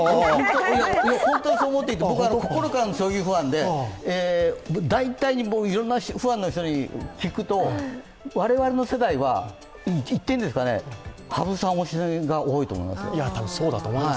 本当にそう思っていて、僕は心からの将棋ファンで、大体いろいろなファンの人に聞くと我々の世代は言っていいのかな、羽生さん推しが多いと思いますよ。